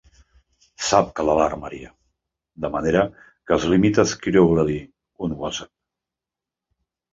Sap que l'alarmaria, de manera que es limita a escriure-li un whatsapp.